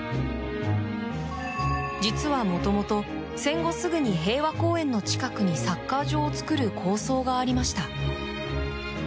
実はもともと、戦後すぐに平和公園の近くにサッカー場を作る構想がありました。